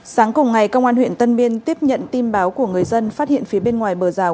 sáng cùng ngày công an huyện tân biên tiếp nhận tin báo của người dân phát hiện phía bên ngoài bờ rào